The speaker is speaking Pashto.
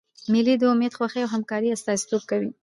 مېلې د امېد، خوښۍ او همکارۍ استازیتوب کوي.